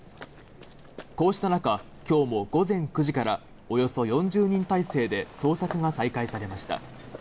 こうした中、今日も午前９時から、およそ４０人態勢で捜索が再開されました。